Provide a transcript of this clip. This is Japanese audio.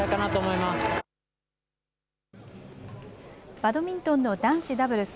バドミントンの男子ダブルス。